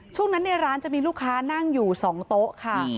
ช่วงนั้นในร้านจะมีลูกค้านั่งอยู่๒โต๊ะค่ะ